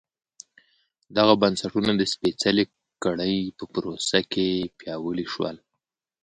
دغه بنسټونه د سپېڅلې کړۍ په پروسه کې پیاوړي شول.